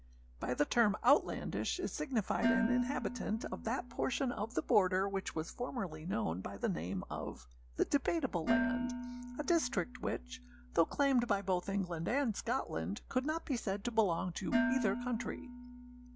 By the term âoutlandishâ is signified an inhabitant of that portion of the border which was formerly known by the name of âthe Debateable Land,â a district which, though claimed by both England and Scotland, could not be said to belong to either country.